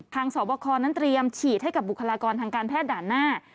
สอบคอนั้นเตรียมฉีดให้กับบุคลากรทางการแพทย์ด่านหน้า